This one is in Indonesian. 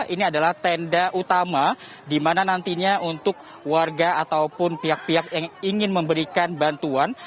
ini adalah tenda utama di mana nantinya untuk warga ataupun pihak pihak yang ingin memberikan bantuan